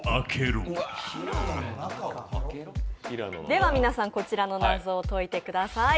では皆さん、こちらの謎を解いてください。